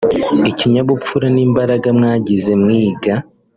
ikinyabupfura n’imbaraga mwagize mwiga